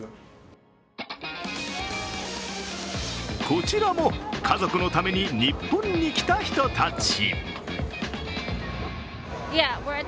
こちらも、家族のために日本に来た人たち。